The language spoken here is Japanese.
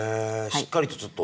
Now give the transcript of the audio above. しっかりとちょっと。